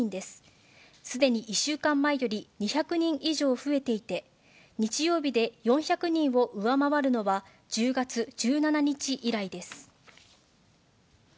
すでに１週間前より２００人以上増えていて、日曜日で４００人を上回るのは、１０月１７日以来です。